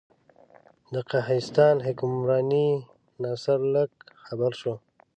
د قهستان حکمران ناصر لک خبر شو.